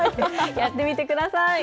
やってみてください。